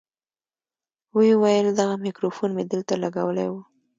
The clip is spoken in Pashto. ويې ويل دغه ميکروفون مې دلته لګولى و.